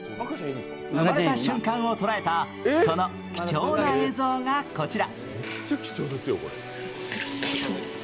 生まれた瞬間を捉えた、その貴重な映像がこちら。